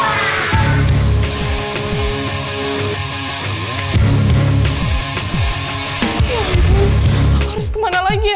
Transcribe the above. harus kemana lagi ya